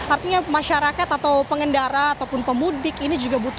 artinya masyarakat atau pengendara ataupun pemudik ini juga butuh